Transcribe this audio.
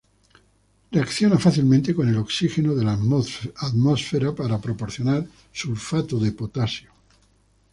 Reacciona fácilmente con el oxígeno de la atmósfera para proporcionar sulfato de potasio.